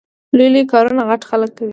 لوی لوی کارونه غټ خلګ کوي